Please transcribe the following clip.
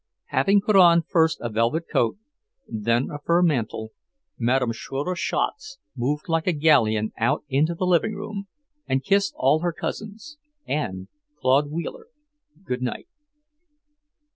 Having put on first a velvet coat, then a fur mantle, Madame Schroeder Schatz moved like a galleon out into the living room and kissed all her cousins, and Claude Wheeler, good night.